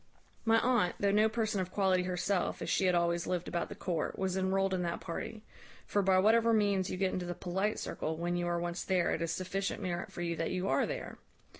"My aunt, though no person of quality herself, as she had always lived about the court, was enrolled in that party; for, by whatever means you get into the polite circle, when you are once there, it is sufficient merit for you that you are there.